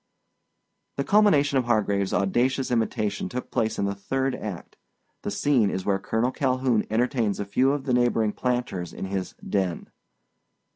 The culmination of Hargraves audacious imitation took place in the third act. The scene is where Colonel Calhoun entertains a few of the neighboring planters in his "den."